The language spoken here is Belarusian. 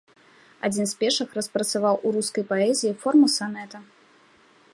Адзін з першых распрацаваў у рускай паэзіі форму санета.